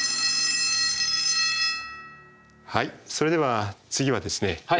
はいそれでは次は演習です。